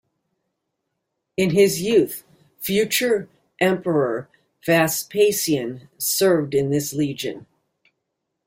In his youth, future emperor Vespasian served in this legion.